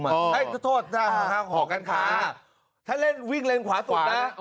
เฮ้ยขอโทษถ้าห่อกันขาถ้าเล่นวิ่งเลนขวาสุดนะ